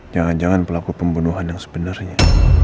jangan jangan pelaku pembunuhan yang sebenarnya